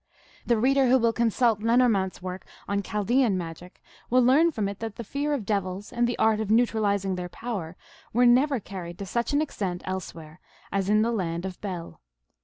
The reader who will consult Lenormant s work on Chaldean magic will learn from it that the fear of devils and the art of neutralizing their power were never carried to such an extent elsewhere as in the Land of Bel.